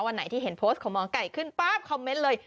วันไหนที่เห็นโพสต์ของหมอไก่ขึ้นป๊าบคอมเมนต์เลย